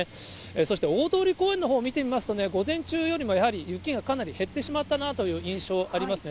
そして大通公園のほう見てみますと、午前中よりもやはり雪がかなり減ってしまったなという印象ありますね。